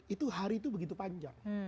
itu hari itu begitu panjang